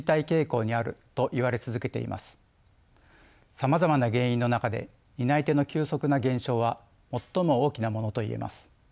さまざまな原因の中で担い手の急速な減少は最も大きなものと言えます。